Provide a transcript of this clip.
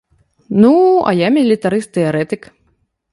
Ну, а я мілітарыст-тэарэтык.